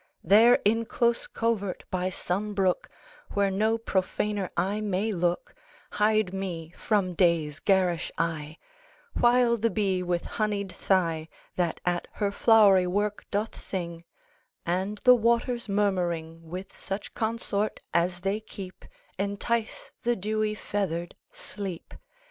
There, in close covert, by some brook, Where no profaner eye may look, Hide me from day's garish eye, While the bee with honeyed thigh, That at her flowery work doth sing, And the waters murmuring, With such consort as they keep, Entice the dewy feathered Sleep.